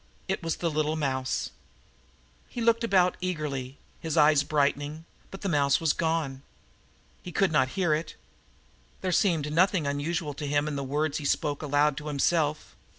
It was the little mouse. He looked about eagerly, his eyes brightening, but the mouse was gone. He could not hear it. There seemed nothing unusual to him in the words he spoke aloud to himself.